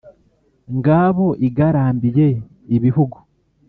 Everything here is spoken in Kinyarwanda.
ngabo igarambiye ibihugu.